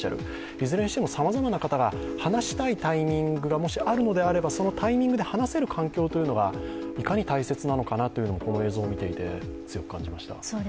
いずれにしてもさまざまな方が話したいタイミングがもしあるのであれば、そのタイミングで話せる環境というのがいかに大切なのかなというのもこの映像を見ていて、強く感じました。